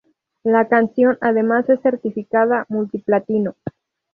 La canción además es certificada Multi-Platino.